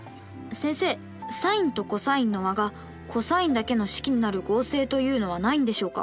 先生サインとコサインの和がコサインだけの式になる合成というのはないんでしょうか？